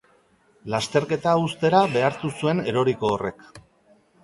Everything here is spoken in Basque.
Lasterketa uztera behartu zuen eroriko horrek.